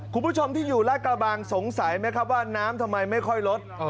คุณผู้ชมที่อยู่ราชกระบังสงสัยไหมครับว่าน้ำทำไมไม่ค่อยลด